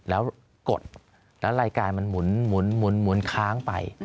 แล้วกดแล้วรายการมันหมุนค้างไป